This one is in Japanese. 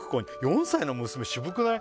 ４歳の娘渋くない？